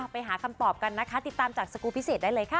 ไปหาคำตอบกันนะคะติดตามจากสกูลพิเศษได้เลยค่ะ